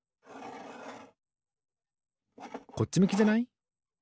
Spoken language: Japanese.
こっちむきじゃない？